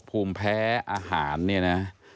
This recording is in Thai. พ่อพูดว่าพ่อพูดว่าพ่อพูดว่า